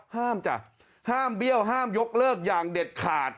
จ้ะห้ามเบี้ยวห้ามยกเลิกอย่างเด็ดขาด